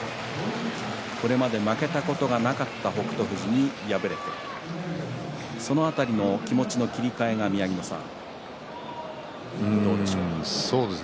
これまで負けたことがなかった北勝富士に敗れてその辺りの気持ちの切り替えが宮城野さん、どうでしょうか？